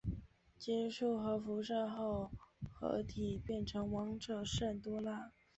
接触核辐射后合体变成王者基多拉。